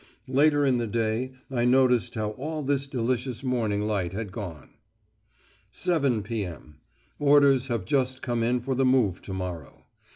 Later in the day I noticed how all this delicious morning light had gone. "7 p.m. Orders have just come in for the move to morrow.